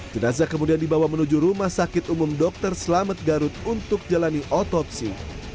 jenazah kemudian dibawa menuju rumah sakit umum dr selamet garut untuk jalani otopsi